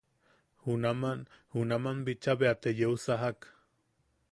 Junam junam bicha bea te yeusakak.